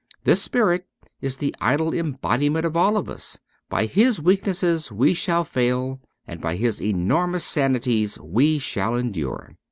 This spirit is the idle embodiment of all of us ; by his weak nesses we shall fail and by his enormous sanities we shall endure.